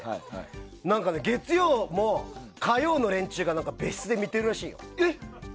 月曜も、火曜の連中が別室で見てるらしいよ。